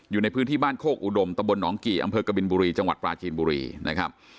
อยู่ในพื้นที่บ้านโคกอุดมตะบลหนองกี่อำเภอกบินบุรีจังหวัดปลาจีนบุรีนะครับ